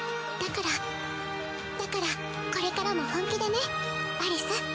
だからだからこれからも本気でねアリス。